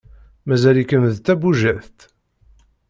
Mazal-ikem d tabujadt.